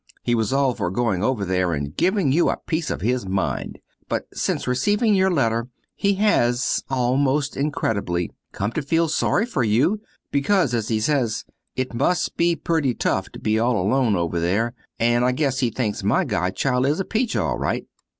He was all for going over there and giving you a piece of his mind; but since receiving your letter he has, almost incredibly, come to feel sorry for you because, as he says, "it must be pretty tuf to be all alone over there, and I guess he thinks my godchild is a peach, all right."